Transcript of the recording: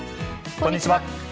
こんにちは。